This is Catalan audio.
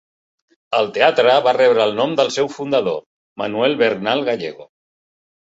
El teatre va rebre el nom del seu fundador Manuel Bernal Gallego.